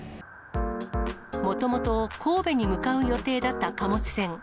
もともと神戸に向かう予定だった貨物船。